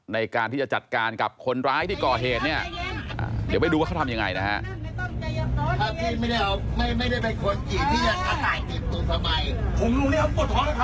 ในการที่จะจัดการกับคนร้ายที่ก่อเหตุเนี่ยเดี๋ยวไปดูว่าเขาทำยังไงนะฮะ